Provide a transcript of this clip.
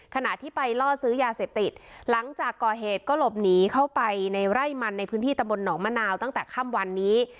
ขณะที่ไปล่อซื้อยาเสพติดหลังจากก่อเหตุก็หลบหนีเข้าไปในไร่มันในพื้นที่ตะบนหนองมะนาวตั้งแต่ค่ำวันนี้